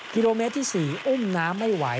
กิโลเมตรที่๔อุ้มน้ำไม่ไหว